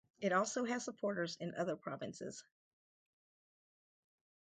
It also has supporters in other provinces.